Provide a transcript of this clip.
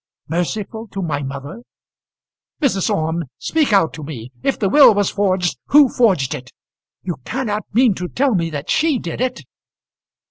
"Merciful to my mother! Mrs. Orme, speak out to me. If the will was forged, who forged it? You cannot mean to tell me that she did it!"